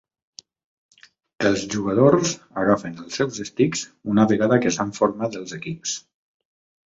Els jugadors agafen els seus estics una vegada que s'han format els equips.